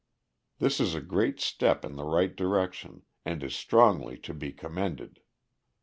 This is a great step in the right direction, and is strongly to be commended.